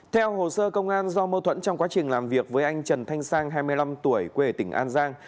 theo hồ sơ công an do mâu thuẫn trong quá trình làm việc với anh trần thanh sang hai mươi năm tuổi quê tỉnh an giang